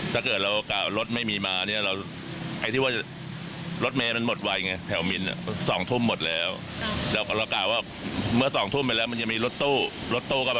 ต้องหว่า๓ปีมันเนี่ยรถยิ่งเข้าหนามหลวงไม่ค่อยมีเลยค่ะ